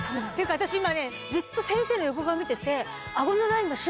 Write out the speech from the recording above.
私今ねずっと先生の横顔見てて。